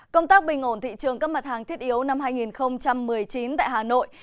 công tác bình ổn thị trường các mặt hàng thiết yếu năm hai nghìn một mươi chín tại hà nội